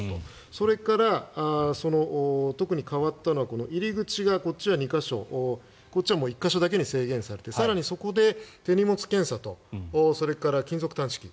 それから、特に変わったのは入り口がこっちは２か所こっちは１か所だけに制限されて更にそこで手荷物検査とそれから金属探知機